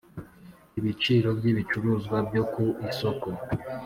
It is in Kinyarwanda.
ibiciro by ibicuruzwa byo ku isoko